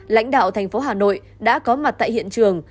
lãnh đạo thành phố hà nội đã có mặt tại hiện trường